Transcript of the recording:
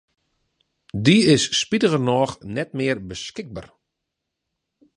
Dy is spitigernôch net mear beskikber.